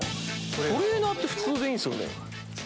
トレーナーって普通でいいんすよね。